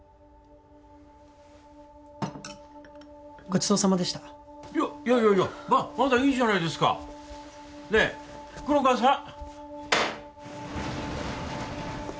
ごちそうさまでしたいやいやいやいやまだいいじゃないですかねえ黒川さん？